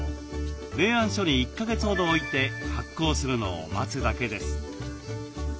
冷暗所に１か月ほど置いて発酵するのを待つだけです。